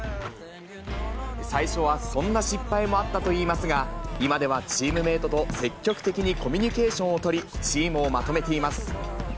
最初はそんな失敗もあったといいますが、今ではチームメートと積極的にコミュニケーションを取り、チームをまとめています。